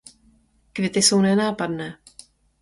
Květy jsou nenápadné.